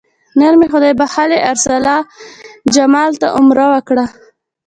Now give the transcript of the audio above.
نن مې خدای بښلي ارسلا جمال ته عمره وکړه.